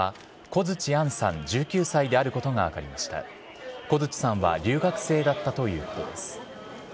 小槌さんは留学生だったということです。